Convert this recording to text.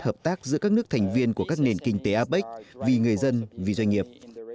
hợp tác giữa các nước thành viên của các nền kinh tế apec vì người dân vì doanh nghiệp